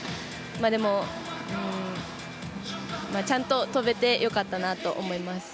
でも、ちゃんと跳べてよかったなと思います。